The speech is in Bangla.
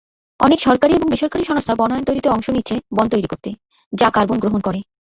অনেক সরকারি এবং বেসরকারি সংস্থা বনায়ন তৈরিতে সরাসরি অংশ নিচ্ছে বন তৈরি করতে, যা কার্বন গ্রহণ করে।